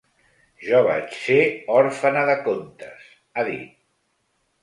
Jo vaig ser òrfena de contes, ha dit.